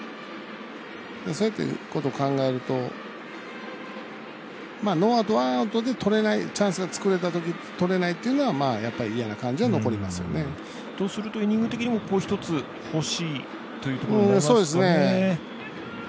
そのことを考えるとノーアウト、ワンアウトで取れないチャンスが作れたとき取れないっていうのはやっぱり嫌な感じは残りますよね。とするとイニング的にも一つ、欲しいということになりますかね。